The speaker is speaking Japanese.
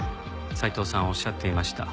斉藤さんおっしゃっていました。